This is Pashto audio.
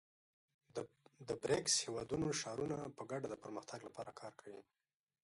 د بریکس هېوادونو ښارونه په ګډه د پرمختګ لپاره کار کوي.